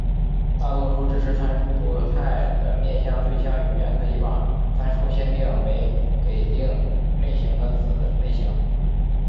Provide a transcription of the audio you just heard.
大多数支持参数多态的面向对象语言可以把参数限定为给定类型的子类型。